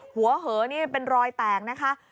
หัวเหอนี่เป็นรอยแตกนะคะ